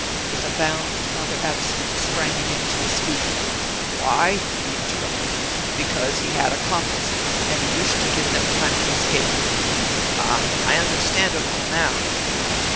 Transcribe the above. With a bound, Father Absinthe sprang again to his feet. "Why?" he interrupted; "because he had accomplices, and he wished to give them time to escape. Ah! I understand it all now."